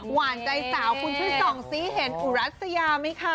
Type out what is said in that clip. หวานใจสาวคุณช่วยส่องซิเห็นอุรัสยาไหมคะ